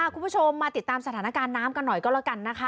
คุณผู้ชมมาติดตามสถานการณ์น้ำกันหน่อยก็แล้วกันนะคะ